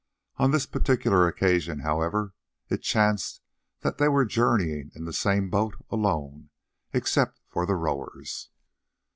On this particular occasion, however, it chanced that they were journeying in the same boat, alone, except for the rowers.